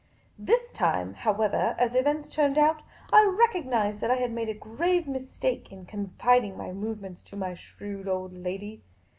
This time, however, as events turned out, I recognised that I had made a grave mistake in confiding my movements to my shrewd old lady.